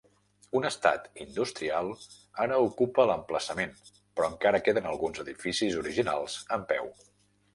Un estat industrial ara ocupa l"emplaçament però encara queden alguns edificis originals en peu.